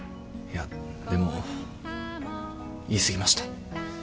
いやでも言い過ぎました。